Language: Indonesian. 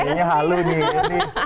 ini halus nih